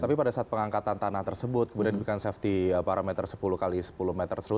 tapi pada saat pengangkatan tanah tersebut kemudian diberikan safety parameter sepuluh x sepuluh meter